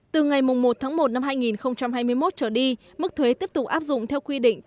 từ ngày một tháng một năm hai nghìn hai mươi một trở đi mức thuế tiếp tục áp dụng theo quy định